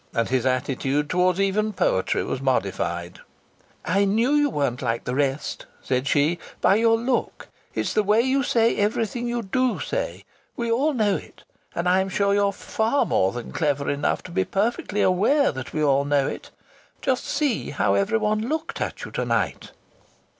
And his attitude towards even poetry was modified. "I knew you weren't like the rest," said she, "by your look. By the way you say everything you do say. We all know it. And I'm sure you're far more than clever enough to be perfectly aware that we all know it. Just see how everyone looked at you to night!"